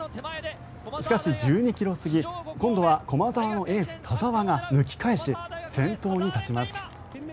しかし、１２ｋｍ過ぎ今度は駒澤のエース、田澤が抜き返し先頭に立ちます。